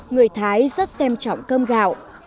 người thái rất xem trọng cơm gạo